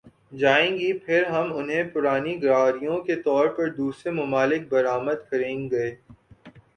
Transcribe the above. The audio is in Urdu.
جائیں گی پھر ہم انہیں پرانی گاڑیوں کے طور پر دوسرے ممالک برآمد کریں گئے